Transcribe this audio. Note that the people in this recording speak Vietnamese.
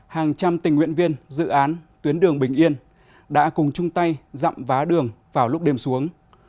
hàng trăm tình nguyện viên dự án tuyến đường bình yên đã cùng chung tay dặm vá đường vào lúc đêm xuống